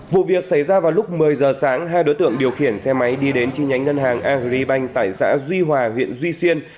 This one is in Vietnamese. vụ việc xảy ra vào lúc một mươi giờ sáng hai đối tượng điều khiển xe máy đi đến chi nhánh ngân hàng agribank tại xã duy hòa huyện duy xuyên